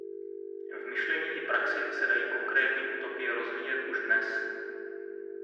V myšlení i praxi se dají konkrétní utopie rozvíjet už dnes.